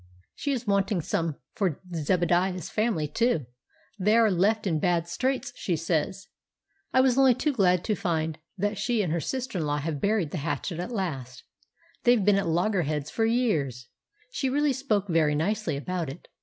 "She is wanting some for Zebadiah's family too; they are left in bad straits, she says. I was only too glad to find that she and her sister in law have buried the hatchet at last; they've been at loggerheads for years; she really spoke very nicely about it.